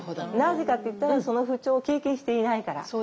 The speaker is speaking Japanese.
なぜかっていったらその不調を経験していないから。